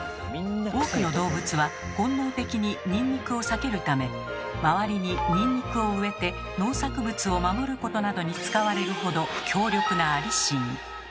多くの動物は本能的にニンニクを避けるため周りにニンニクを植えて農作物を守ることなどに使われるほど強力なアリシン。